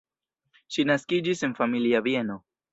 Ŝi naskiĝis en familia bieno.